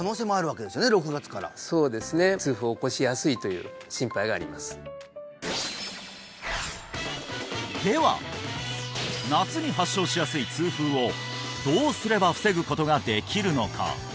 痛風を起こしやすいという心配がありますでは夏に発症しやすい痛風をどうすれば防ぐことができるのか？